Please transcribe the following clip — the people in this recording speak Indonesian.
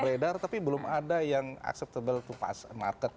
beredar tapi belum ada yang acceptable to face market